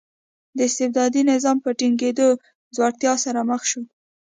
د استبدادي نظام په ټینګېدو ځوړتیا سره مخ شو.